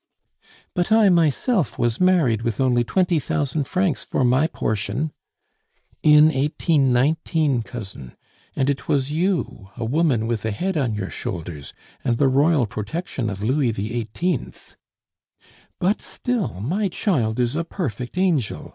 "But I myself was married with only twenty thousand francs for my portion " "In 1819, cousin. And it was you, a woman with a head on your shoulders, and the royal protection of Louis XVIII." "Be still, my child is a perfect angel.